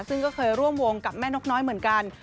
ซึ่งก็เคยร่วมวงกับแม่นกน้อยเหมือนกัน